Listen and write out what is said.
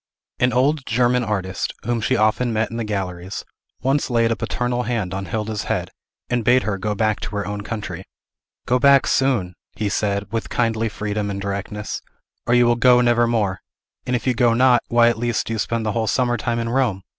An old German artist, whom she often met in the galleries, once laid a paternal hand on Hilda's head, and bade her go back to her own country. "Go back soon," he said, with kindly freedom and directness, "or you will go never more. And, if you go not, why, at least, do you spend the whole summer time in Rome?